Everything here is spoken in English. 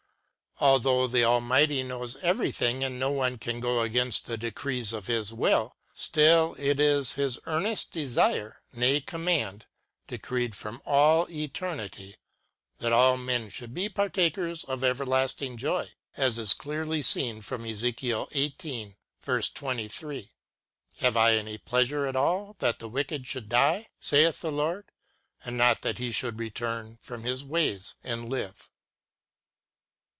Although the Almighty knows everything, and no one can go against the decrees of His will, still it is His earnest desire, nay command, decreed from all eternity, that all men should be partakers of everlasting joy, as is clearly seen from Ezekiel xviii. 23 —" Have I any pleasure at all that the wicked should die .'' saith the Lord ; and not that he should return from his ways, and live